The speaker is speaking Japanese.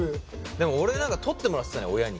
でも俺何か取ってもらってたね親に。